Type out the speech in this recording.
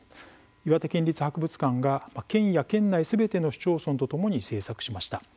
岩手県立博物館が県や県内すべての市町村とともに制作しました。